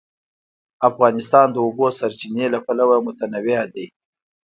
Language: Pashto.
افغانستان د د اوبو سرچینې له پلوه متنوع دی.